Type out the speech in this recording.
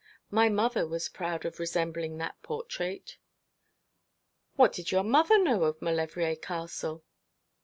My mother was proud of resembling that portrait.' 'What did your mother know of Maulevrier Castle?'